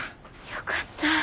よかった。